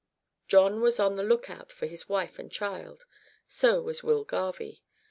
John was on the look out for his wife and child, so was Will Garvie.